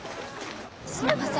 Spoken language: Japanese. すみません。